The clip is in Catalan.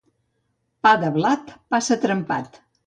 Pa de blat passa trempat.